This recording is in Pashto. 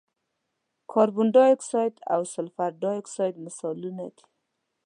کاربن ډای اکسایډ او سلفر ډای اکساید مثالونه دي.